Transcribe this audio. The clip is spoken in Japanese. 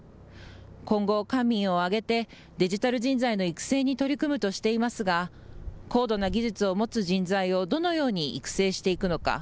今後、官民を挙げてデジタル人材の育成に取り組むとしていますが高度な技術を持つ人材をどのように育成していくのか。